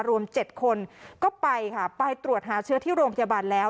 รวม๗คนก็ไปค่ะไปตรวจหาเชื้อที่โรงพยาบาลแล้ว